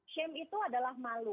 shame itu adalah malu